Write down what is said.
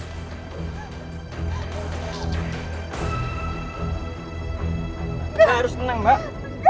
harus tenang mbak